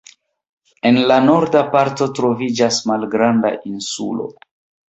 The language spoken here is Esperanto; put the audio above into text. En la norda parto troviĝas malgranda insulo.